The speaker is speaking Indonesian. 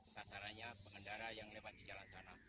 sasarannya pengendara yang lewat di jalan sana